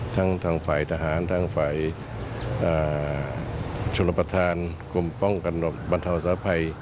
ทั้งฝ่ายทหารทั้งฝ่ายชมพัฒน์กลมป้องส้าภัย